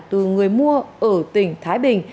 từ người mua ở tỉnh thái bình